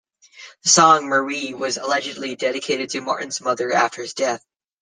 The song "Marie" was allegedly dedicated to Martin's mother after his death.